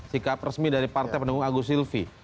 sikap resmi dari partai pendukung agus silvi